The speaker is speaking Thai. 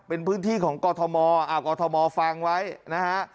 เป็นพื้นที่ของกรทมกอทมฟังไว้นะฮะ